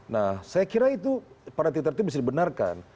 nah saya kira itu pada titik tertentu bisa dibenarkan